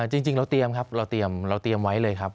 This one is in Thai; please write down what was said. จริงเราเตรียมครับเราเตรียมไว้เลยครับ